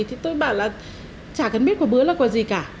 thì tôi bảo là chả cần biết quả bứa là quả gì cả